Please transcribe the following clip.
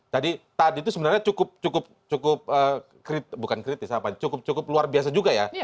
jadi tadi itu sebenarnya cukup luar biasa juga ya